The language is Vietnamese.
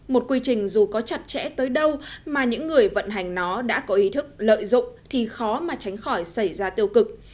một quy trình dù có chặt chẽ tới đâu mà những người vận hành nó đã có ý thức lợi dụng thì khó mà tránh khỏi xảy ra tiêu cực